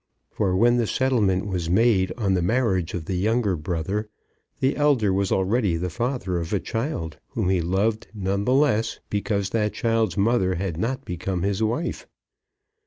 For when the settlement was made on the marriage of the younger brother, the elder was already the father of a child, whom he loved none the less because that child's mother had not become his wife.